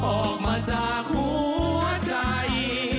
ออกมาจากหัวใจ